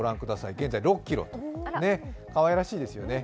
現在６ｋｇ、かわいらしいですね。